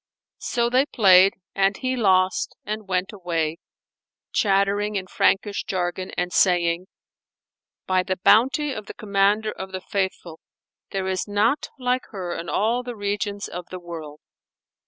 So they played, and he lost and went away, chattering in Frankish jargon and saying, "By the bounty of the Commander of the Faithful, there is not her like in all the regions of the world!"